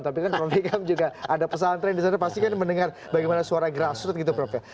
tapi kan prof ikam juga ada pesantren di sana pasti kan mendengar bagaimana suara grassroot gitu prof ya